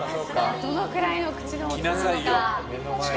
どのくらいの口の大きさなのか。